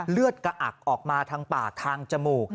เลือดกระอักออกมาทางปากทางจมูก